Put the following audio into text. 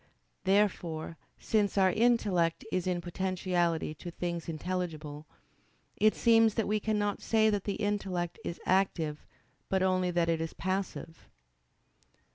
Therefore, since our intellect is in potentiality to things intelligible, it seems that we cannot say that the intellect is active, but only that it is passive.